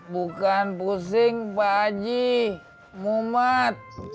bukan pusing pak haji mumat